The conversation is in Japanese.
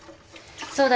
そうだ